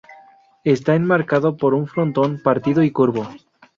Está enmarcado por un frontón partido y curvo.